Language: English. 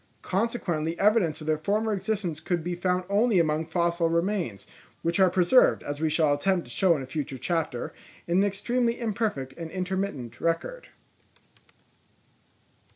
Consequently evidence of their former existence could be found only among fossil remains, which are preserved, as we shall attempt to show in a future chapter, in an extremely imperfect and intermittent record.